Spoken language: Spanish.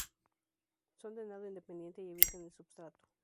Son de nado independiente y evitan el substrato.